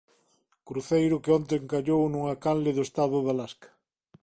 Cruceiro que onte encallou nunha canle do estado de Alasca.